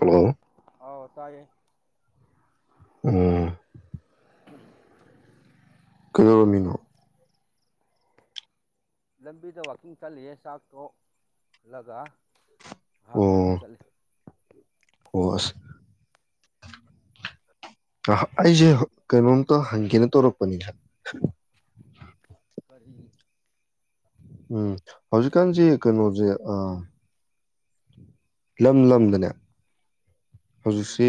Hello ꯍꯥꯎ ꯇꯥꯏꯌꯦ ꯎꯝ [inaudible] ꯀꯩꯗꯧꯔꯝꯃꯤꯅꯣ ꯂꯝꯕꯤꯗ ꯋꯥꯛꯀꯤꯡ ꯆꯠꯂꯤꯌꯦ ꯆꯥꯛ ꯇꯣꯛ ꯂꯒꯥ ꯉꯍꯥꯛ ꯋꯥꯛꯀꯤꯡ ꯑꯣ ꯆꯠꯂꯤ ꯑꯣ ꯑꯁ ꯉꯥꯍꯛ ꯑꯩꯁꯦ ꯀꯩꯅꯣꯝꯇ ꯍꯪꯒꯦꯅ ꯇꯧꯔꯛꯄꯅꯤꯗꯥ ꯀꯔꯤ ꯎꯝ ꯍꯧꯖꯤꯛꯀꯥꯟꯁꯦ ꯀꯩꯅꯣꯁꯦ ꯑꯥ ꯂꯝ ꯂꯝꯗꯅꯦ ꯎꯝ ꯍꯧꯖꯤꯛꯁꯤ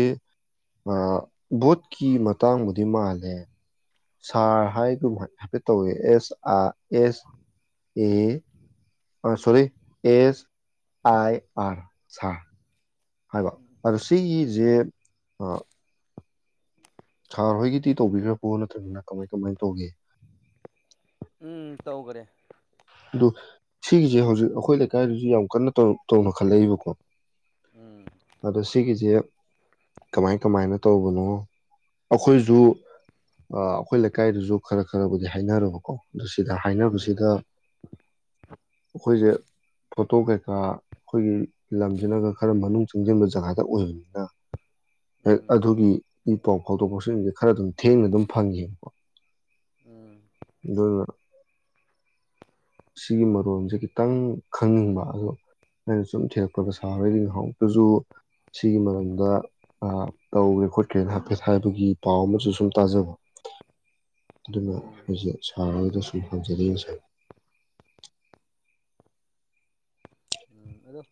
ꯑꯥ ꯚꯣꯠꯀꯤ ꯃꯇꯥꯡꯕꯨꯗꯤ ꯃꯥꯜꯂꯦ ꯁꯥꯔ ꯍꯥꯏꯒꯨꯝ ꯍꯥꯏ ꯍꯥꯏꯐꯦꯠ ꯇꯧꯋꯤ ꯑꯦꯁ ꯑꯥ ꯑꯦꯁ ꯑꯦ ꯑꯥ ꯁꯣꯔꯤ ꯑꯦꯁ ꯑꯥꯏ ꯑꯔ ꯁꯥꯔ ꯍꯥꯏꯕ ꯎꯝ ꯑꯗꯣ ꯁꯤꯒꯤꯁꯦ ꯎꯝ ꯑꯥ ꯁꯥꯔ ꯍꯣꯏꯒꯤꯗꯤ ꯇꯧꯕꯤꯈ꯭ꯔꯕꯣ ꯅꯠꯇ꯭ꯔꯒꯅ ꯀꯃꯥꯏ ꯀꯃꯥꯏꯅ ꯇꯧꯒꯦ ꯎꯝ ꯇꯧꯒ꯭ꯔꯦ ꯑꯗꯨ ꯁꯤꯒꯤꯁꯦ ꯍꯧꯖꯤꯛ ꯑꯩꯈꯣꯏ ꯂꯩꯀꯥꯏꯗꯁꯨ ꯌꯥꯝ ꯀꯟꯅ ꯇꯧ ꯇꯧꯅꯈꯠꯂꯛꯏꯕꯀꯣ ꯎꯝ ꯑꯗꯣ ꯁꯤꯒꯤꯁꯦ ꯀꯃꯥꯏ ꯀꯃꯥꯏꯅ ꯇꯧꯕꯅꯣ ꯑꯩꯈꯣꯏꯖꯨ ꯑꯥ ꯑꯩꯈꯣꯏ ꯂꯩꯀꯥꯏꯗꯁꯨ ꯈꯔ ꯈꯔꯕꯨꯗꯤ ꯍꯥꯏꯅꯔꯕꯀꯣ ꯑꯗꯨ ꯁꯤꯗ ꯎꯝ ꯍꯥꯏꯅꯕꯁꯤꯗ ꯑꯩꯈꯣꯏꯖꯦ ꯐꯣꯇꯣ ꯀꯩꯀꯥ ꯑꯩꯈꯣꯏꯒꯤ ꯂꯝꯖꯤꯅꯒ ꯈꯔ ꯃꯅꯨꯡ ꯆꯪꯁꯤꯟꯕ ꯖꯒꯥꯗ ꯑꯣꯏꯕꯅꯤꯅ ꯍꯦꯛ ꯎꯝ ꯑꯗꯨꯒꯤ ꯏ ꯄꯥꯎ ꯐꯥꯎꯗꯣꯛ ꯐꯥꯎꯁꯤꯟꯁꯦ ꯈꯔ ꯑꯗꯨꯝ ꯊꯦꯡꯅ ꯑꯗꯨꯝ ꯐꯪꯉꯦꯕꯀꯣ ꯎꯝ ꯑꯗꯨꯅ ꯁꯤꯒꯤ ꯃꯔꯣꯟꯁꯦ ꯈꯤꯇꯪ ꯈꯪꯅꯤꯡꯕ ꯑꯗꯣ ꯑꯩꯅ ꯁꯨꯝ ꯊꯤꯔꯛꯄꯗ ꯁꯥꯔ ꯍꯣꯢꯒꯤ ꯉꯍꯥꯟꯃꯨꯛꯇꯁꯨ ꯁꯤꯒꯤ ꯃꯔꯝꯗ ꯑꯥ ꯇꯧꯒꯔꯦ ꯈꯣꯠꯈꯔꯦ ꯍꯥꯢꯐꯦꯠ ꯍꯥꯏꯕꯒꯤ ꯄꯥꯎ ꯑꯃꯁꯨ ꯁꯨꯝ ꯇꯥꯖꯕ ꯑꯗꯨꯅ ꯎꯝ ꯑꯩꯈꯣꯏꯁꯦ ꯁꯥꯔ ꯍꯣꯢꯗꯁꯨꯨꯝ ꯍꯪꯖꯔꯛꯏꯅꯦ ꯁꯥꯔ ꯎꯝ ꯑꯗꯣ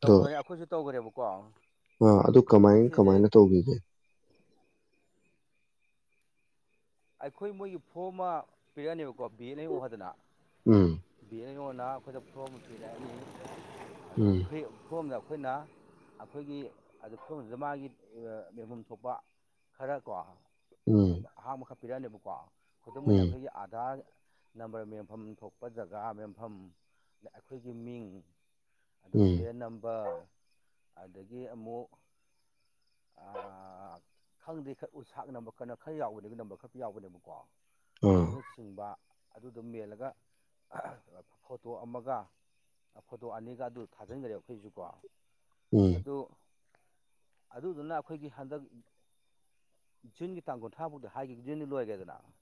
ꯇꯧꯅꯔꯦ ꯑꯩꯈꯣꯏꯁꯨ ꯇꯧꯒꯔꯦꯕꯀꯣ ꯑ ꯑꯗꯨ ꯀꯃꯥꯏ ꯀꯃꯥꯏꯅ ꯇꯧꯕꯤꯒꯦ ꯑꯩꯈꯣꯏ ꯃꯣꯏꯒꯤ ꯐꯣꯔꯝ ꯑꯃ ꯄꯤꯔꯛꯑꯅꯤꯕꯀꯣ ꯕꯤ ꯑꯦꯟ ꯑꯦ ꯑꯣ ꯍꯥꯏꯗꯅ ꯎꯝ ꯕꯤꯑꯦꯟꯉꯣꯟꯅ ꯑꯩꯈꯣꯏꯗ ꯐ꯭ꯔꯣꯝ ꯑꯃꯥ ꯄꯤꯔꯛꯑꯅꯤ ꯎꯝ ꯁꯤ [unintelligible] ꯑꯩꯈꯣꯏꯅ ꯑꯩꯈꯣꯏꯒꯤ ꯑꯗꯨ ꯐꯤꯕꯝꯁꯤꯗ ꯃꯥꯒꯤ ꯑꯥ ꯌꯦꯡꯐꯝ ꯊꯣꯛꯄ ꯈꯔ ꯀꯣ ꯎꯝ [unintelligible] ꯑꯍꯥꯡꯕꯈꯛ ꯄꯤꯔꯛꯑꯅꯦꯕꯀꯣ ꯈꯨꯗꯝ ꯑꯣꯏꯅ ꯎꯝ ꯑꯩꯈꯣꯏꯒꯤ ꯑꯥꯙꯥꯔ ꯅꯝꯕꯔ ꯃꯦꯟꯐꯝ ꯊꯣꯛ ꯄ ꯖꯒꯥ ꯃꯦꯝꯐꯝ ꯑꯗ ꯑꯩꯈꯣꯏꯒꯤ ꯃꯤꯡ꯫ ꯑꯗꯨꯒ ꯎꯝ ꯁꯦꯔꯦꯜ ꯅꯝꯕꯔ ꯑꯗꯒꯤ ꯑꯃꯨꯛ ꯑꯥ ꯈꯪꯗꯦ ꯈ ꯎ ꯁꯥꯛ ꯅꯝꯕꯔ ꯀꯩꯅꯣ ꯈꯔ ꯌꯥꯎꯕꯅꯦꯕ ꯅꯝꯕꯔ ꯈꯔ ꯌꯥꯎꯕꯅꯦꯕꯀꯣ꯫ ꯑꯥ ꯑꯗꯨꯅꯆꯤꯡꯕ ꯑꯗꯨꯗꯨꯝ ꯃꯦꯜꯂꯒ ꯐꯣꯇꯣ ꯑꯃꯒ꯫ ꯑ ꯐꯣꯇꯣ ꯑꯅꯤꯒ ꯑꯗꯨ ꯊꯥꯖꯤꯟꯒꯔ꯭ꯦ ꯑꯩꯈꯣꯏꯖꯨꯀꯣ ꯎꯝ ꯑꯗꯨ ꯑꯗꯨꯗꯨꯅ ꯑꯈꯣꯏꯒꯤ ꯍꯟꯗꯛ ꯖꯨꯟꯒꯤ ꯇꯥꯡ ꯀꯨꯟꯊ꯭ꯔꯥꯐꯥꯎꯗ ꯍꯥꯏꯈꯤꯗꯤ ꯅ ꯂꯣꯏꯒꯔ꯭ꯦꯗꯅ꯫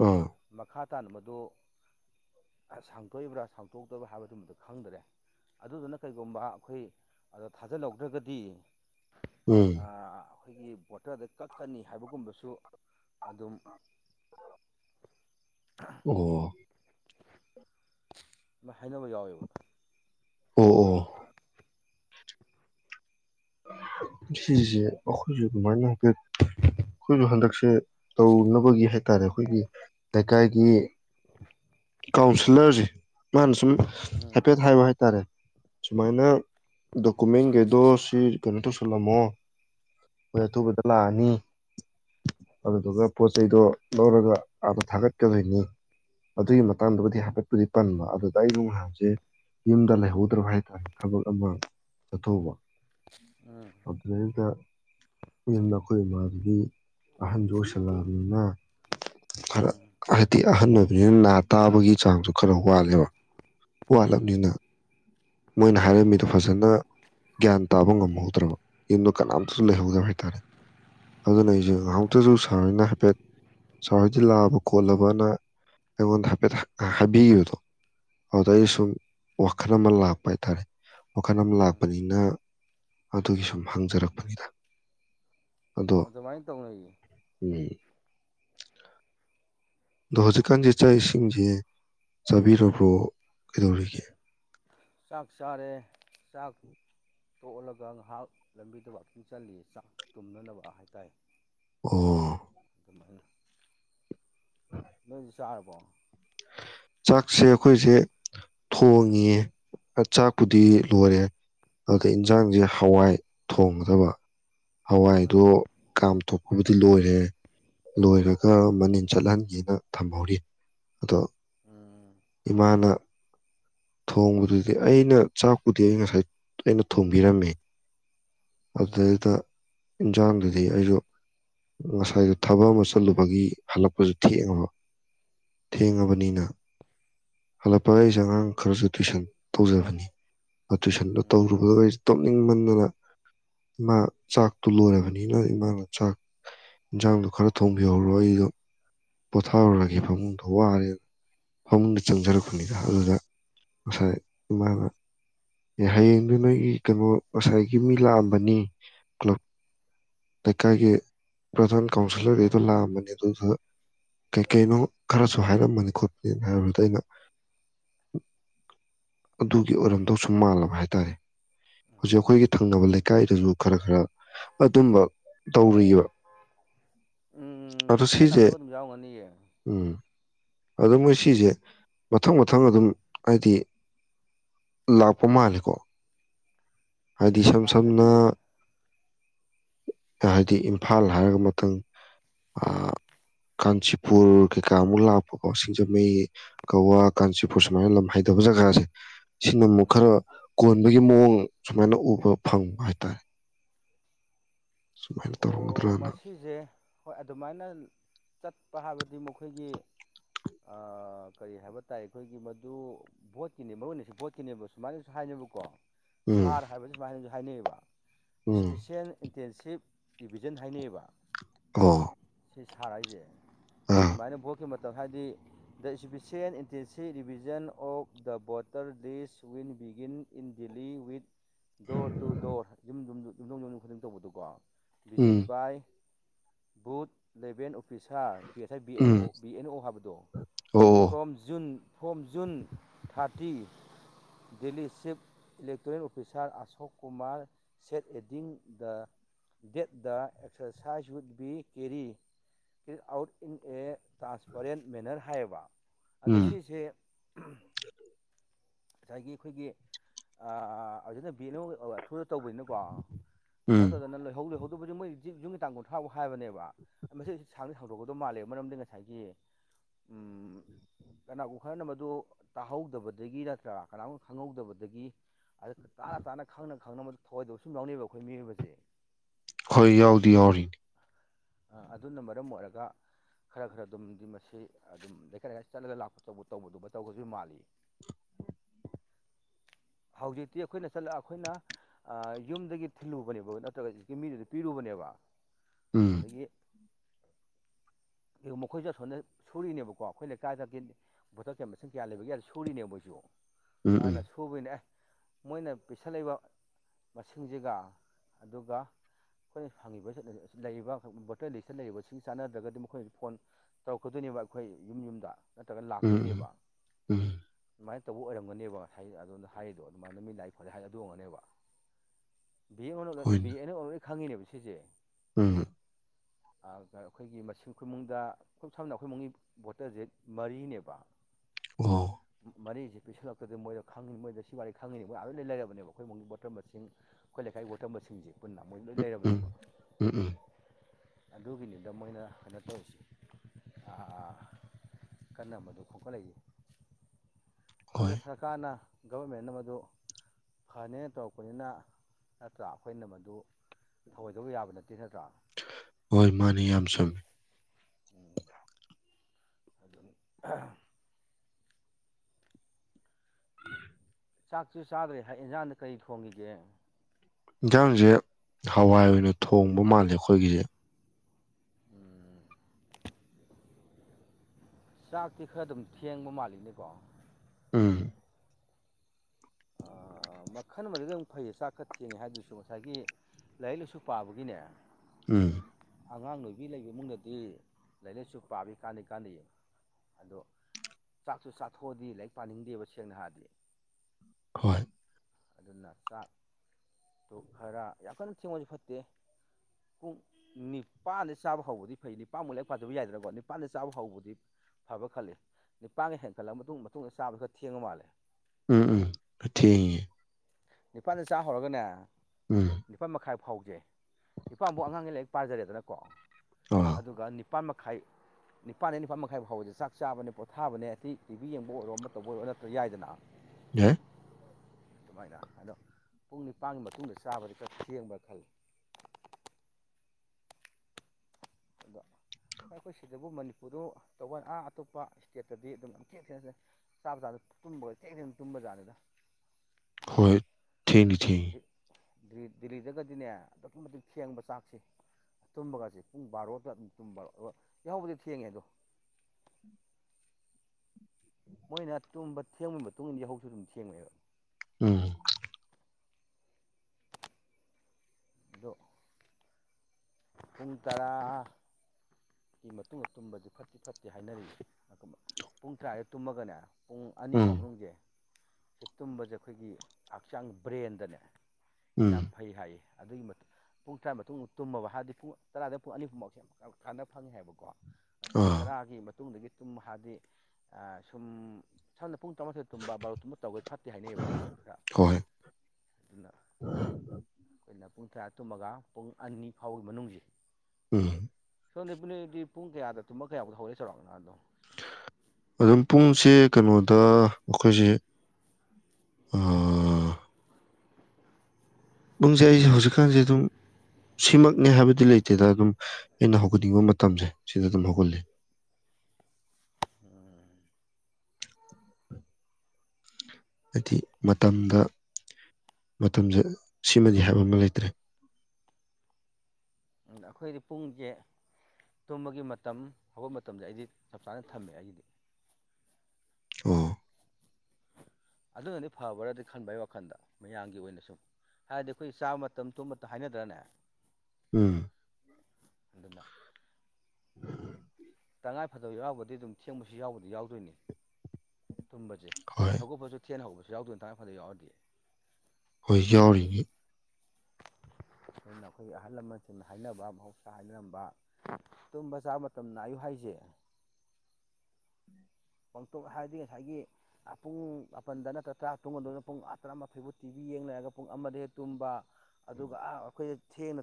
ꯎꯝ ꯃꯈꯥ ꯇꯥꯅ ꯃꯗꯨ ꯑꯁ ꯁꯥꯡꯇꯣꯛꯏꯕ꯭ꯔꯥ ꯁꯥꯡꯇꯣꯛꯇꯕ꯭ꯔꯥ ꯍꯥꯏꯕꯗꯨꯃꯗꯨ ꯈꯪꯗꯔꯦ ꯫ ꯑꯗꯨꯗꯨꯅ ꯀꯩꯒꯨꯝꯕ ꯑꯩꯈꯣꯏ ꯑꯗ ꯊꯥꯖꯜꯍꯧꯗ꯭ꯔꯒꯗꯤ꯫ ꯎꯝ ꯑꯥ ꯑꯩꯈꯣꯏꯒꯤ ꯕꯣꯇꯔꯗ ꯀꯛꯀꯅꯤ ꯍꯥꯏꯕꯒꯨꯝꯕꯁꯨ ꯑꯗꯨꯝ ꯑꯣ ꯑꯗꯃꯥꯏ ꯍꯥꯏꯅꯕ ꯌꯥꯎꯋꯦꯕ꯫ ꯑꯣ ꯑꯣ ꯁꯤꯖꯦ ꯑꯩꯈꯣꯏꯁꯨ ꯗꯨꯃꯥꯏꯅ ꯍꯥꯏꯐꯦꯠ ꯫ ꯈꯣꯏꯖꯨ ꯍꯟꯗꯛꯁꯦ ꯇꯧꯅꯕꯒꯤ ꯍꯥꯏꯇꯥꯔꯦ ꯑꯩꯈꯣꯏꯒꯤ ꯂꯩꯀꯥꯏꯒꯤ [inaudible] ꯀꯥꯎꯟꯁꯤꯜꯂꯔꯖꯦ ꯃꯥꯅ ꯁꯨꯝ ꯎꯝ ꯍꯥꯏꯐꯦꯠ ꯍꯥꯏꯕ ꯍꯥꯏꯇꯥꯔꯦ꯫ ꯁꯨꯃꯥꯏꯅ ꯗꯣꯀꯨꯃꯦꯟꯒꯩꯗꯣ ꯁꯤ ꯀꯩꯅꯣ ꯇꯧꯁꯜꯂꯝꯃꯣ ꯍꯣꯏ ꯑꯊꯨꯕꯗ ꯂꯥꯛꯑꯅꯤ꯫ ꯑꯗꯨꯗꯨꯒ ꯄꯣꯠ ꯆꯩꯗꯣ ꯂꯧꯔꯒ ꯑꯥꯗ ꯊꯥꯒꯠꯀꯗꯣꯏꯅꯤ꯫ ꯑꯗꯨꯒꯤ ꯃꯇꯥꯡꯗꯕꯨꯗꯤ ꯍꯥꯏꯐꯦꯠꯄꯨꯗꯤ ꯄꯟꯕ ꯑꯗꯨꯗ ꯑꯩꯩꯖꯨ ꯉꯍꯥꯟꯖꯦ ꯌꯨꯝꯗ ꯂꯩꯍꯧꯗ꯭ꯔꯕ ꯍꯥꯏꯇꯥꯔꯦ ꯊꯕꯛ ꯑꯃ ꯆꯠꯊꯣꯛꯎꯕ꯫ ꯑꯥ ꯑꯗꯨꯗꯩꯗ ꯌꯨꯝꯗ ꯑꯩꯈꯣꯏ ꯏꯃꯥꯗꯨꯗꯤ ꯑꯍꯟꯖꯨ ꯑꯣꯏꯁꯜꯂꯛꯑꯕꯅꯤꯅ꯫ ꯈꯔ ꯎꯝ ꯍꯥꯏꯗꯤ ꯑꯍꯟ ꯑꯣꯏꯕꯅꯤꯅ ꯅꯥ ꯇꯥꯕꯒꯤ ꯆꯥꯡꯁꯨ ꯈꯔ ꯋꯥꯠꯂꯦꯕ꯫ ꯎꯝ ꯋꯥꯠꯂꯝꯅꯤꯅ ꯃꯣꯏꯅ ꯍꯥꯏꯔꯝꯃꯤꯗꯣ ꯐꯖꯟꯅ ꯒ꯭ꯌꯥꯟ ꯇꯥꯕ ꯉꯝꯍꯧꯗ꯭ꯔꯕ ꯌꯨꯝꯗꯨ ꯀꯅꯥꯝꯇꯁꯨ ꯎꯝ ꯂꯩꯍꯧꯗꯕ ꯍꯥꯏꯇꯥꯔꯦ꯫ ꯑꯗꯨꯅ ꯑꯩꯖꯦ ꯉꯍꯥꯃꯨꯛꯇꯖꯨ ꯁꯥꯅꯤꯅ ꯍꯥꯏꯐꯦꯠ ꯁꯥꯔ ꯍꯣꯏꯗꯤ ꯂꯥꯛꯑꯕ ꯈꯣꯠꯂꯕꯅ ꯑꯩꯉꯣꯟꯗ ꯍꯥꯏꯐꯦꯠ ꯍꯥ ꯍꯥꯥꯏꯕꯤꯕꯗꯣ꯫ ꯑꯗꯨꯗ ꯑꯩ ꯎꯝ ꯁꯨꯝ ꯋꯥꯈꯜ ꯑꯃ ꯂꯥꯛ ꯄꯍꯥꯏꯇꯥꯔꯦ ꯋꯥꯈꯟ ꯑꯃ ꯎꯝ ꯂꯥꯛꯄꯅꯤꯅ ꯑꯗꯨꯒꯤ ꯁꯨꯝ ꯍꯪꯖꯔꯛꯄꯅꯤꯗ꯫ ꯑꯗꯣ ꯑꯣ ꯑꯗꯨꯃꯥꯏ ꯇꯧꯅꯩꯌꯦ꯫ ꯎꯝ ꯗꯣ ꯍꯧꯖꯤꯛꯀꯥꯟꯖꯦ ꯆꯥꯛ ꯏꯁꯤꯡꯖꯦ ꯆꯥꯕꯤꯔꯕ꯭ꯔꯣ ꯀꯩꯗꯧꯔꯤꯒꯦ꯫ ꯆꯥꯛ ꯆꯥꯔꯦ ꯆꯥꯛ ꯇꯣꯛꯑꯂꯒ ꯉꯍꯥꯛ ꯂꯝꯕꯤꯗ ꯋꯥꯀꯤꯡ ꯆꯜꯂꯤꯌꯦ ꯆꯥꯛ ꯇꯨꯝꯅꯅꯕ ꯍꯥꯏꯇꯥꯏ ꯫ ꯑꯣ꯫ [unintelligible] [inaudible] ꯅꯣꯏꯗꯤ ꯆꯥꯔꯕꯣ꯫ ꯆꯥꯛꯁꯦ ꯑꯩꯈꯣꯏꯁꯦ ꯊꯣꯡꯉꯤꯌꯦ ꯆꯥꯛꯄꯨꯗꯤ ꯂꯣꯏꯔꯦ꯫ ꯑꯗꯨ ꯏꯟꯖꯥꯡꯁꯦ ꯍꯋꯥꯏ ꯊꯣꯡꯒꯗꯕ ꯍꯋꯥꯏꯗꯣ ꯎꯝ ꯀꯥꯝꯊꯣꯛ ꯕꯨꯗꯤ ꯂꯣꯏꯔꯦ ꯂꯣꯏꯔꯒ ꯃꯅꯤꯟ ꯆꯠꯍꯟꯒꯦꯅ ꯊꯝꯍꯧꯔꯤ꯫ ꯑꯗꯣ ꯎꯝ ꯏꯃꯥꯅ ꯊꯣꯡꯕꯗꯨꯗꯤ ꯑꯩꯅ ꯆꯥꯛꯄꯨꯗꯤ ꯑꯩ ꯉꯁꯥꯏ ꯑꯩꯅ ꯊꯣꯡꯕꯤꯔꯝꯃꯦ꯫ ꯎꯝ ꯑꯗꯨꯗꯩꯗ ꯏꯟꯖꯥꯡꯗꯨꯗꯤ ꯑꯩꯁꯨ ꯉꯁꯥꯏꯖꯨ ꯊꯕꯛ ꯑꯃ ꯆꯠꯂꯨꯕꯒꯤ ꯍꯜꯂꯛꯄꯁꯨ ꯊꯦꯡꯉꯕ꯫ ꯊꯦꯡꯉꯕꯅꯤꯅ ꯍꯜꯂꯛꯄꯗ ꯑꯩꯁꯦ ꯑꯉꯥꯡ ꯈꯔꯁꯨ ꯇꯨꯏꯁꯟꯕꯅꯤ꯫ ꯇꯨꯏꯁꯟꯗꯣ ꯎꯝ ꯇꯧꯔꯨꯕꯗ ꯑꯩꯁꯦ ꯇꯨꯝꯅꯤꯡꯃꯟꯗꯅ ꯏꯃꯥ ꯆꯥꯛꯇꯨ ꯂꯣꯏꯔꯕꯅꯤꯅ ꯏꯃꯥꯅ ꯆꯥꯛ ꯏꯟꯖꯥꯡꯗꯣ ꯈꯔ ꯊꯣꯡꯕꯤꯍꯧꯔꯣ ꯑꯩꯗꯣ ꯄꯣꯊꯥꯔꯨꯔꯒꯦ ꯐꯃꯨꯡꯗ ꯋꯥꯔꯦ꯫ ꯐꯃꯨꯡꯗ ꯆꯪꯖꯔꯛꯄꯅꯤꯗ ꯑꯗꯨꯗ ꯉꯁꯥꯏ ꯏꯃꯥꯅ ꯑꯦ ꯍꯌꯦꯡꯗꯨ ꯅꯣꯏꯒꯤ ꯀꯩꯅꯣ ꯉꯁꯥꯏꯒꯤ ꯃꯤ ꯂꯥꯛꯑꯝꯕꯅꯤ ꯀ꯭ꯂꯕ ꯂꯩꯀꯥꯏꯒꯤ ꯄ꯭ꯔꯙꯥꯟ ꯀꯥꯎꯟꯁꯤꯜꯂꯔꯒꯩꯗꯣ ꯂꯥꯛꯑꯝꯕꯅꯦ ꯑꯗꯨꯗ ꯀꯩ ꯀꯩꯅꯣ ꯈꯔꯁꯨ ꯍꯥꯏꯔꯝꯕꯅꯤ ꯈꯣꯠꯄꯅꯤꯅ ꯍꯥꯏꯕꯗ ꯑꯩꯅ ꯑꯗꯨꯒꯤ ꯑꯣꯏꯔꯝ ꯑꯗꯨꯁꯨ ꯃꯥꯜꯂꯕ ꯍꯥꯏꯇꯥꯔꯦ ꯍꯧꯖꯤꯛ ꯑꯩꯈꯣꯏꯒꯤ ꯊꯪꯅꯕ ꯂꯩꯀꯥꯏꯗꯁꯨ ꯈꯔ-ꯈꯔ ꯑꯗꯨꯝꯕ ꯇꯧꯔꯤꯕ꯫ ꯎꯝ ꯑꯗꯣ ꯁꯤꯁꯦ ꯆꯤꯠꯊꯅꯗꯕ ꯑꯗꯨꯝ ꯌꯥꯎꯔꯝꯒꯅꯤꯌꯦ꯫ ꯎꯝ ꯑꯗꯨ ꯃꯣꯏ ꯁꯤꯁꯦ ꯃꯊꯪ-ꯃꯊꯪ ꯑꯗꯨꯝ ꯍꯥꯏꯗꯤ ꯂꯥꯛꯄ ꯃꯥꯥꯂꯤꯀꯣ꯫ ꯍꯥꯏꯗꯤ ꯏꯁꯝ ꯁꯝꯅ ꯂꯥꯛꯀꯅꯤꯌꯦ ꯑ ꯍꯥꯏꯗꯤ ꯏꯝꯐꯥꯜ ꯍꯥꯏꯔꯒ ꯃꯊꯪ ꯑꯥ ꯀꯥꯟꯆꯤꯄꯨꯔ ꯀꯩꯀꯥ ꯑꯃꯨꯛ ꯂꯥꯛꯄꯀꯣ ꯁꯤꯡꯖꯃꯩ ꯀꯛꯋꯥ ꯀꯥꯟꯆꯤꯄꯨꯔ ꯁꯨꯃꯥꯏꯅ ꯂꯝ ꯍꯩꯗꯕ ꯖꯒꯥꯁꯦ ꯁꯤꯅ ꯑꯃꯨꯛ ꯈꯔ ꯎꯝ ꯀꯣꯟꯕꯒꯤ ꯃꯑꯣꯡ ꯁꯨꯃꯥꯏꯅ ꯎꯕ ꯐꯪꯕ ꯍꯥꯏꯇꯥꯔꯦ꯫ ꯁꯨꯃꯥꯏꯅ ꯑꯣ ꯇꯧꯔꯝꯒꯗ꯭ꯔꯅ ꯃꯁꯤꯁꯦ ꯍꯣꯏ ꯑꯗꯨꯃꯥꯏꯅ ꯆꯠꯄ ꯍꯥꯏꯕꯗꯤ ꯃꯈꯣꯏꯒꯤ ꯑꯥ ꯀꯔꯤ ꯍꯥꯏꯕ ꯇꯥꯏ ꯑꯩꯈꯣꯏꯒꯤ ꯃꯗꯨ ꯕꯣꯠꯀꯤꯅꯦ ꯃꯔꯨ ꯑꯣꯏꯅ ꯁꯤ ꯕꯣꯠꯀꯤꯅꯦꯕ ꯁꯨꯃꯥꯏꯅꯁꯨ ꯍꯥꯏꯅꯦꯕꯀꯣ꯫ ꯎꯝ ꯁꯥꯔ ꯍꯥꯏꯕꯗꯨ ꯁꯨꯃꯥꯏꯅꯁꯨ ꯍꯥꯏꯅꯩꯌꯦꯕ ꯎꯝ ꯏꯁꯤꯕꯤꯆꯦꯟ ꯏꯟꯇꯦꯟꯁꯤꯞ ꯔꯤꯕꯤꯖꯟ ꯍꯥꯏꯅꯩꯌꯦꯕ꯫ ꯑꯣ꯫ ꯁꯤ ꯁꯥꯔ ꯍꯥꯏꯁꯦ ꯑꯥ ꯁꯨꯃꯥꯏꯅ ꯚꯣꯠꯀꯤ ꯃꯇꯝ ꯍꯥꯏꯗꯤ the special intensive revision of the voter list will begin in Delhi with door to door ꯌꯨꯝ ꯌꯨ ꯌꯨꯝꯊꯣꯡ ꯌꯨꯝꯊꯣꯡ ꯈꯨꯗꯤꯡ ꯇꯧꯕꯗꯨꯀꯣ꯫ Visit um by good level officer B A um B and O ꯄꯗꫭ ꯑꯣ ꯑꯣ from June from June thirty. Delhi chief electoral officer Ashok Kumar set adding the date the exercise ꯍꯋꯨꯠ be carry. In out in a transparent manner ꯍꯥꯏꯌꯦꯕ ꯑꯗꯣ ꯎꯝ ꯁꯤꯁꯦ ꯉꯁꯥꯏꯒꯤ ꯑꯈꯣꯏꯒꯤ ꯑꯥꯥ ꯑꯗꯨꯗ ꯕꯦꯟꯅꯨ ꯊ꯭ꯔꯨꯗ ꯇꯧꯕꯩꯅꯤꯅꯀꯣ ꯎꯝ ꯁꯨꯃꯥꯏꯅ ꯇꯧꯗꯅ ꯂꯩꯍꯧ ꯂꯩꯍꯧꯗꯧꯕꯖꯤ ꯃꯣꯏ ꯍꯧꯖꯤꯛ ꯖꯨꯟꯒꯤ ꯇꯥꯡ ꯀꯨꯟꯊ꯭ꯔꯥꯐꯥꯎ ꯍꯥꯏꯕꯅꯦꯕ ꯃꯁꯤ ꯁꯥꯡꯗꯤ ꯁꯥꯎꯗꯣꯛꯀꯗꯧ ꯃꯥꯂꯦꯕ ꯃꯔꯝꯗꯤ ꯉꯁꯥꯏꯒꯤ ꯎꯝ ꯀꯅꯥꯒꯨꯝꯕ ꯈꯔꯅ ꯃꯗꯨ ꯇꯥꯍꯧꯗꯕꯗꯒꯤ ꯅꯠꯇ꯭ꯔ ꯀꯅꯥꯒꯨꯝꯕ ꯈꯪꯍꯧꯗꯕꯗꯒꯤ ꯑꯗꯨ ꯇꯥꯅ ꯇꯥꯅ ꯈꯪꯅ ꯈꯪꯅꯕ ꯃꯗꯨ ꯊꯧꯑꯣꯏꯗꯕ ꯁꯨꯝ ꯌꯥꯎꯅꯩꯑꯕ ꯑꯩꯈꯣꯏ ꯃꯤꯑꯣꯏꯕꯁꯦ ꯍꯣꯏ ꯌꯥꯎꯗꯤ ꯌꯥꯎꯔꯤ ꯑ ꯑꯗꯨꯅ ꯃꯔꯝ ꯑꯣꯏꯔꯒ ꯈꯔ ꯈꯔ ꯑꯗꯨꯝꯗꯤ ꯃ ꯁꯤ ꯑꯗꯨꯝ ꯂꯩꯀꯥꯏ ꯂꯩꯀꯥꯏ ꯆꯠꯂꯒ ꯂꯥꯛꯄꯆꯧꯕ ꯇꯧꯕꯗꯨꯕ ꯇꯧꯒꯁꯨ ꯃꯥꯜꯂꯤ [inaudible] ꯍꯧꯖꯤꯛꯇꯤ ꯑꯈꯣꯏꯅ ꯆꯠꯂ ꯑꯈꯣꯏꯅ ꯑ ꯌꯨꯝꯗꯒꯤ ꯊꯤꯜꯂꯨꯕꯅꯦꯕ ꯅꯠꯇ꯭ꯔꯒ ꯍꯧꯖꯤꯛꯀꯤ ꯃꯤꯗꯨꯗ ꯄꯤꯔꯨꯕꯅꯦꯕ ꯎꯝ ꯑꯗꯒꯤ ꯀꯩꯒꯨꯝꯕ ꯑꯈꯣꯏꯁꯨ ꯑꯁꯣꯝꯗ ꯁꯣꯔꯤꯅꯦꯕꯀꯣ ꯑꯈꯣꯏ ꯂꯩꯀꯥꯏꯗ ꯀꯦꯟ ꯕꯣꯇꯔ ꯀꯌꯥ ꯃꯁꯤꯡ ꯀꯌꯥ ꯂꯩꯕꯒꯦꯗ ꯁꯨꯔꯤꯅꯦꯕ ꯃꯣꯏꯁꯨ ꯎꯝ ꯎꯝ ꯑꯗꯨꯅ ꯁꯨꯕꯅꯦ ꯃꯣꯏꯅ ꯄꯤꯁꯜꯂꯛꯏꯕ ꯃꯁꯤꯡꯁꯤꯒ ꯑꯗꯨꯒ ꯑꯈꯣꯏꯅ ꯐꯪꯉꯤꯕ ꯂꯩꯔꯤꯕ ꯕꯣꯇꯔ ꯂꯤꯁꯇ ꯂꯩꯔꯤꯕꯁꯤꯡ ꯆꯥꯟꯅꯗ꯭ꯔꯒꯗꯤ ꯃꯈꯣꯏꯅꯁꯨ ꯐꯣꯟ ꯈꯣꯠꯇꯣꯏꯅꯦꯕ ꯑꯩꯈꯣꯏ ꯌꯨꯝ ꯌꯨꯝꯗ ꯅꯠꯇ꯭ꯔꯒ ꯎꯝ ꯂꯥꯛꯇꯣꯏꯅꯦꯕ ꯎꯝ ꯎꯝ ꯑꯗꯨꯃꯥꯏꯟ ꯇꯧꯕ ꯑꯣꯏꯔꯝꯒꯅꯦꯕ ꯍꯥꯏ ꯑꯗꯣꯝꯗ ꯍꯥꯏꯔꯤꯗꯣ ꯑꯗꯨꯃꯥꯏꯅ ꯃꯤ ꯂꯥꯛꯏ ꯈꯣꯠꯂꯤ ꯍꯥꯏ ꯑꯗꯨ ꯑꯣꯏꯝꯒꯅꯦꯕ ꯕꯤ ꯑꯣꯟꯅꯕꯅ ꯕꯤ ꯍꯣꯏꯅꯦ ꯑꯩꯅ ꯑꯣꯟꯔꯣꯏ ꯈꯪꯉꯤꯅꯦꯕ ꯁꯤꯁꯦ ꯎꯝ ꯑ ꯑꯈꯣꯏꯒꯤ ꯃꯁꯤꯡ ꯈꯨꯃꯨꯡꯗ ꯈꯨ ꯁꯝꯅ ꯑꯈꯣꯏ ꯃꯨꯡꯒꯤ ꯕꯣꯇꯔꯁꯦ ꯃꯔꯤꯅꯦꯕ ꯑꯣ ꯃꯔꯤꯁꯤ ꯄꯤꯁꯜꯂꯛꯇꯗꯤ ꯃꯣꯏꯗ ꯈꯪꯉꯤ ꯃꯣꯏꯗ ꯁꯤ ꯋꯥꯔꯤ ꯈꯪꯉꯅꯤ ꯃꯣꯏ ꯂꯣꯏ ꯂꯩꯔꯕꯕ ꯑꯈꯣꯏ ꯃꯨꯡꯒꯤ ꯕꯣꯇꯔ ꯃꯁꯤꯡ ꯑꯈꯣꯏ ꯂꯩꯀꯥꯏꯒꯤ ꯕꯣꯇꯔ ꯃꯁꯤꯡꯁꯦ ꯄꯨꯟꯅ ꯃꯣꯏ ꯂꯣꯏ ꯎꯝ ꯎꯝ ꯂꯩꯔꯕꯅꯦꯕ ꯎꯝ ꯎꯝ ꯑꯗꯨꯒꯤꯅꯤꯗ ꯃꯣꯏꯅ ꯀꯩꯅꯣ ꯇꯧꯔꯤꯁꯤ ꯑ ꯀꯟꯅ ꯃꯗꯨ ꯈꯣꯀꯠꯂꯛꯏꯖꯦ ꯈꯪꯗꯦ ꯍꯣꯏ ꯁꯔ ꯀꯥꯔꯅ ꯒꯕꯔꯃꯦꯟꯅ ꯃꯗꯨ ꯐꯅꯦꯅ ꯇꯧꯔꯛꯄꯅꯤꯅ ꯅꯠꯇ꯭ꯔ ꯑꯈꯣꯏꯅ ꯃꯗꯨ ꯊꯧꯑꯣꯏꯗꯧꯕ ꯌꯥꯕ ꯅꯠꯇꯦ ꯅꯠꯇ꯭ꯔꯥ ꯍꯣꯏ ꯃꯥꯅꯤ ꯌꯥꯝ ꯆꯨꯝꯃꯤ ꯎꯝ ꯑꯗꯨꯝ ꯆꯥꯛꯁꯨꯨ ꯆꯥꯗ꯭ꯔꯦ ꯍꯥꯏ ꯏꯟꯖꯥꯡꯗ ꯀꯔꯤ ꯊꯣꯡꯉꯤꯒꯦ ꯏꯟꯖꯥꯡꯁꯦ ꯍꯋꯥꯏ ꯑꯣꯏꯅ ꯊꯣꯡꯕ ꯃꯥꯜꯂꯦ ꯑꯈꯣꯏꯒꯤꯁꯦ [inaudible] ꯆꯥꯛꯇꯤ ꯈꯔ ꯑꯗꯨꯝ ꯊꯦꯡꯕ ꯃꯥꯜꯂꯤꯅꯦꯀꯣ ꯎꯝ ꯑ ꯃꯈꯜ ꯑꯃ ꯑꯗꯨꯝ ꯐꯩꯌꯦ ꯆꯥꯛꯀ ꯊꯦꯡꯉꯦ ꯍꯥꯏꯗꯨꯁꯨ ꯉꯁꯥꯏꯒꯤ ꯂꯥꯏꯔꯤꯛ ꯂꯥꯏꯁꯨ ꯄꯥꯕꯒꯤꯅꯦ ꯎꯝ ꯑꯉꯥꯡ ꯅꯨꯕꯤ ꯂꯩꯕꯃꯨꯡꯗꯗꯤ ꯂꯥꯏꯔꯤꯛ ꯂꯥꯏꯁꯨ ꯄꯥꯕꯤ ꯀꯥꯟꯗꯤ ꯀꯥꯅꯩꯌꯦ ꯑꯗꯣ ꯆꯥꯛꯁꯨ ꯆꯥꯊꯣꯛꯑꯗꯤ ꯂꯥꯏꯔꯤꯛ ꯄꯥꯅꯤꯡꯗꯦꯕ ꯁꯦꯡꯅ ꯍꯥꯏꯔꯗꯤ ꯍꯣꯏ ꯑꯗꯨꯅ ꯆꯥꯛꯇꯣ ꯈꯔ ꯌꯥꯝ ꯀꯟꯅ ꯊꯦꯡꯕꯁꯨ ꯐꯠꯇꯦ ꯄꯨꯡ ꯅꯤꯄꯥꯟꯗꯩ ꯆꯥꯕ ꯍꯧꯕꯗꯤ ꯐꯩ ꯅꯤꯄꯥꯥꯟꯃꯨꯛ ꯂꯥꯏ ꯄꯥꯖꯕ ꯌꯥꯏꯗꯅꯀꯣ ꯅꯤꯄꯥꯟꯗ ꯆꯥꯕ ꯍꯧꯕꯗꯤ ꯐꯕ ꯈꯜꯂꯦ ꯅꯤꯄꯥꯟꯒ ꯍꯦꯟꯒꯠꯂ ꯃꯇꯨꯡ ꯃꯇꯨꯡꯗ ꯆꯥꯕꯗꯨ ꯈꯔ ꯊꯦꯡꯉ ꯃꯥꯜꯂꯦ ꯎꯝ ꯎꯝ ꯑꯊꯦꯡꯉꯦ ꯅꯤꯄꯥꯟꯗꯩ ꯆꯥ ꯍꯧꯔꯒꯅꯦ ꯎꯝ ꯅꯤꯄꯥꯥꯟ ꯃꯈꯥꯏ ꯐꯥꯎꯖꯦ ꯅꯤꯄꯥꯟꯕꯥꯎ ꯑꯉꯥꯡꯉꯩ ꯂꯥꯏꯔꯤꯛ ꯄꯥꯖꯔꯦꯗꯅꯀꯣ ꯑꯥ ꯑꯗꯨꯒ ꯅꯤꯄꯥꯟ ꯃꯈꯥꯏ ꯅꯤꯄꯥꯥꯟꯗꯩ ꯅꯤꯄꯥꯥꯟ ꯃꯈꯥꯏ ꯐꯥꯎꯕꯁꯦ ꯆꯥꯛ ꯆꯥꯕꯅꯦ ꯄꯣꯊꯥꯕꯅꯦ ꯑꯇꯤ ꯇꯤꯚꯤ ꯌꯦꯡꯕ ꯑꯣꯏꯔꯣ ꯑꯃ ꯇꯧꯕ ꯑꯣꯏꯔꯣ ꯅꯠꯇ꯭ꯔ ꯌꯥꯏꯗꯅ ꯌꯥꯏ ꯗꯨꯃꯥꯏꯅ ꯑꯗꯣ ꯄꯨꯡ ꯅꯤꯄꯥꯟꯒꯤ ꯃꯇꯨꯡꯗ ꯆꯥꯕꯗꯤ ꯈꯔ ꯊꯦꯡꯕ꯭ꯔꯥ ꯈꯜꯂꯦ ꯑꯗꯣ ꯍꯣꯏ ꯑꯩꯈꯣꯏ ꯁꯤꯗꯕꯨ ꯃꯅꯤꯄꯨꯔꯗꯣ ꯇꯧꯕ꯭ꯋꯥꯅꯦ ꯑꯥ ꯑꯇꯣꯞꯄ ꯏꯁꯇꯦꯠꯇꯗꯤ ꯑꯗꯨꯝ ꯌꯥꯝ ꯊꯦ ꯊꯦꯡꯅ ꯆꯥꯏ ꯆꯥꯕ ꯆꯥꯗ ꯇꯨꯝꯕꯒ ꯊꯦꯡ ꯊꯦꯡ ꯇꯨꯝꯕꯖꯥꯠꯅꯤꯗ ꯍꯣꯏ ꯊꯦꯡꯗꯤ ꯊꯦ ꯗꯦꯂꯤ ꯗꯦꯜꯂꯤꯗꯒꯗꯤꯅꯦ ꯑꯗꯨꯛꯀꯤ ꯃꯇꯤꯛ ꯊꯦꯡꯕ ꯆꯥꯛꯁꯦ ꯇꯨꯝꯕꯒꯁꯦ ꯄꯨꯡ ꯕꯥꯔꯣꯗ ꯑꯗꯨꯝ ꯇꯨꯝꯕ ꯑꯒ ꯌꯥꯍꯧꯕꯗꯤ ꯊꯦꯡꯉꯦ ꯑꯗꯣ ꯃꯣꯏꯅ ꯇꯨꯝꯕ ꯊꯦꯡꯕꯩ ꯃꯇꯨꯡ ꯏꯟꯅ ꯌꯥꯍꯧꯁꯨ ꯑꯗꯨꯝ ꯊꯦꯡꯉꯑꯦꯕ ꯎꯝ ꯑꯗꯣ ꯄꯨꯡ ꯇꯔꯥ ꯀꯤ ꯃꯇꯨꯡꯗ ꯇꯨꯝꯕꯗꯤ ꯐꯠꯇꯤ ꯐꯠꯇꯦ ꯍꯥꯏꯅꯔꯤ ꯄꯨꯡ ꯇꯔꯥꯏꯗ ꯇꯨꯝꯃꯒꯅꯦ ꯄꯨꯡ ꯑꯅꯤ ꯐꯥꯎ ꯎꯝ ꯃꯅꯨꯡꯖꯦ ꯁꯦ ꯇꯨꯝꯕꯖꯦ ꯑꯈꯣꯏꯒꯤ ꯍꯛꯆꯥꯡ ꯕ꯭ꯔꯦꯟꯗꯅꯦ ꯎꯝ ꯌꯥꯝ ꯐꯩ ꯍꯥꯏꯌꯦ ꯑꯗꯨꯒꯤ ꯃꯇꯨ ꯄꯨꯡ ꯇꯔꯥꯏ ꯃꯇꯨꯡ ꯇꯨꯝꯃꯕ ꯍꯥꯏꯕꯗꯤ ꯄꯨꯡ ꯇꯔꯥꯗꯩ ꯄꯨꯡ ꯑꯅꯤ ꯍꯨꯝꯃꯛꯁꯦ ꯀꯥꯟꯅ ꯐꯪꯉꯦ ꯍꯥꯏꯕꯀꯣ ꯑꯥ ꯄꯨꯡ ꯇꯔꯥꯒꯤ ꯃꯠ ꯇꯨꯡꯗꯒꯤ ꯇꯨꯝ ꯍꯥꯏꯗꯤ ꯑꯥ ꯁꯨꯝ ꯁꯝꯅ ꯄꯨꯡ ꯇꯔꯥꯃꯥꯊꯣꯏ ꯇꯨꯝꯕ ꯕꯥꯔꯣ ꯇꯨꯝꯕ ꯇꯧꯒꯩ ꯐꯠꯇꯦ ꯍꯥꯏꯅꯩꯑꯕꯣ ꯈꯔ ꯍꯣꯏ ꯑꯗꯨꯅ [inaudible] ꯑꯈꯣꯏꯅ ꯄꯨꯡ ꯇꯔꯥ ꯇꯨꯝꯃꯒ ꯄꯨꯡ ꯑꯅꯤ ꯐꯥꯎꯒꯤ ꯃꯅꯨꯡꯖꯤ ꯎꯝ ꯁꯣꯝꯗꯤ ꯄꯨꯅꯦꯗꯤ ꯄꯨꯡ ꯀꯌꯥꯗ ꯇꯨꯝꯃ ꯀꯌꯥꯐꯥꯎꯗ ꯍꯧꯒꯦ ꯆꯧꯔꯥꯛꯅ ꯑꯗꯣ ꯑꯗꯨꯝ ꯄꯨꯡꯁꯤ ꯀꯩꯅꯣꯗ ꯑꯩꯈꯣꯏꯁꯤ ꯑꯥ ꯄꯨꯡꯁꯦ ꯑꯩꯁꯦ ꯍꯧꯖꯤꯛꯀꯥꯟꯁꯦ ꯑꯗꯨꯝ ꯁꯤꯃꯛꯅꯦ ꯍꯥꯏꯕꯗꯤ ꯂꯩꯇꯦꯗ ꯑꯗꯨꯝ ꯑꯩꯅ ꯍꯧꯒꯠꯅꯤꯡꯕ ꯃꯇꯝꯁꯦ ꯁꯤꯗ ꯑꯗꯨꯝ ꯍꯧꯒꯠꯂꯦ [unintelligible] ꯑꯥꯏꯗꯤ ꯃꯇꯝꯗ ꯃꯇꯝꯖꯦ ꯁꯤꯃꯗꯤ ꯍꯥꯏꯕ ꯑꯃ ꯂꯩꯇ꯭ꯔꯦ ꯑꯗ ꯑꯩꯈꯣꯏꯗꯤ ꯄꯨꯡꯖꯦ ꯇꯨꯝꯕꯒꯤ ꯃꯇꯝ ꯍꯧꯒꯠ ꯃꯇꯝꯖꯦ ꯑꯩꯗꯤ ꯆꯞ ꯆꯥꯅ ꯊꯝꯃꯦ ꯑꯩꯒꯤꯗꯤ ꯑꯣ ꯑꯗꯨꯅꯗꯤ ꯐꯕ꯭ꯔꯗꯤ ꯈꯟꯕ ꯑꯩ ꯋꯥꯈꯟꯗ ꯃꯌꯥꯝꯒꯤ ꯑꯣꯏꯅ ꯁꯨꯝ ꯍꯥꯏꯗꯤ ꯑꯈꯣꯏ ꯆꯥꯕ ꯃꯇꯝ ꯇꯨ ꯃꯇꯝ ꯍꯥꯏꯅꯗ꯭ꯔꯅꯦ ꯎꯝ ꯑꯗꯨꯅ [inaudible] ꯇꯉꯥꯏ ꯐꯗꯕ ꯌꯥꯎꯔꯒꯗꯤ ꯑꯗꯨꯝ ꯊꯦꯡꯕꯁꯨ ꯌꯥꯎꯕꯨꯗꯤ ꯌꯥꯎꯗꯣꯏꯅꯤ ꯇꯨꯝꯕꯁꯦ ꯑ ꯍꯣꯏ ꯊꯒꯠꯄꯁꯨ ꯊꯦꯅ ꯍꯧꯕꯁꯨ ꯌꯥꯎꯗꯣꯏꯅ ꯇꯉꯥꯏ ꯐꯗꯅ ꯌꯥꯎꯔꯗꯤ ꯍꯣꯏ ꯑꯗꯨꯅ ꯌꯥꯎꯔꯤꯅꯤ ꯑꯩꯈꯣꯏꯅ ꯑꯩꯈꯣꯏꯒꯤ ꯑꯍꯜ ꯂꯃꯟꯁꯤꯡꯅ ꯍꯥꯏꯅꯕ ꯃꯍꯧꯁꯥ ꯍꯥꯏꯅꯔꯝꯕ ꯇꯨꯝꯕ ꯆꯥꯕ ꯃꯇꯝ ꯅꯥꯏꯌꯨ ꯍꯥꯏꯁꯦ ꯄꯣꯡꯇꯣꯛ ꯍꯥꯏꯗꯤ ꯉꯁꯥꯏꯒꯤ ꯄꯨꯡ ꯃꯥꯄꯟꯗ ꯅꯠꯇ꯭ꯔ ꯇꯔꯥ ꯃꯇꯨꯡ ꯑꯗꯨꯗ ꯄꯨꯡ ꯑꯃꯥ ꯇꯔꯥꯃꯥꯊꯣꯏꯕꯨ ꯇꯤ ꯚꯤ ꯌꯦꯡ ꯂꯩꯔꯒ ꯄꯨꯡ ꯑꯃꯗ ꯍꯦꯛ ꯇꯨꯝꯕ ꯑꯗꯨꯒ ꯑꯃꯥ ꯑꯩꯈꯣꯏ ꯊꯦꯡꯅ